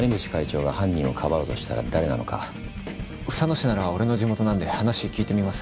市なら俺の地元なんで話聞いてみます。